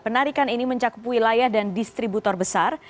penarikan ini mencakup wilayah dan distributor besar